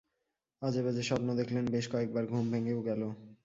আজেবাজে স্বপ্ন দেখলেন, বেশ কয়েক বার ঘুম ভেঙেও গেল।